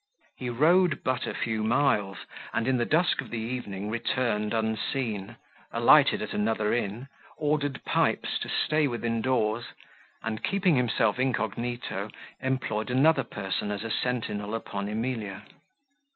He rode, but a few miles, and in the dusk of the evening returned unseen, alighted at another inn, ordered Pipes to stay within doors, and keeping himself incognito, employed another person as a sentinel upon Emilia.